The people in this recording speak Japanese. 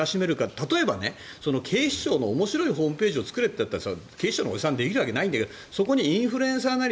例えば、警視庁の面白いホームページを作れといったって警視庁のおじさんができるわけがないんだけどそこにインフルエンサーなり